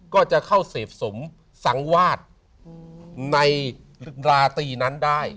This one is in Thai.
ก็จะเข้าเสพสมสังวาสในราตรีนั้นได้